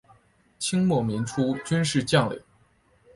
清末民初军事将领。